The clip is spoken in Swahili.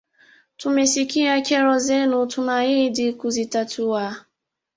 Tumesikia kero zenu tunaahidi kuzitatua.